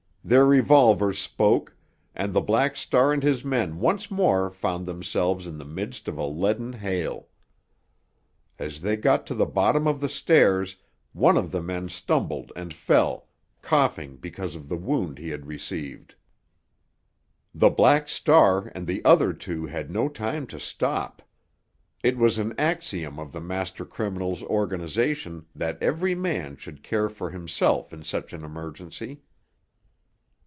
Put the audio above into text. Their revolvers spoke, and the Black Star and his men once more found themselves in the midst of a leaden hail. As they got to the bottom of the stairs one of the men stumbled and fell, coughing because of the wound he had received. The Black Star and the other two had no time to stop. It was an axiom of the master criminal's organization that every man should care for himself in such an emergency.